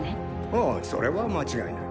ああそれは間違いない。